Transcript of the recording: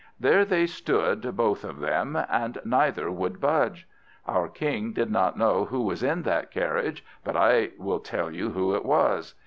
There they stood, both of them, and neither would budge. Our King did not know who was in that carriage, but I will tell you who it was.